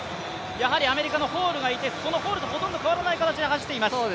やはりアメリカのホールがいて、そのホールとほとんど変わらない形で走っています。